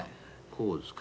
こうですか。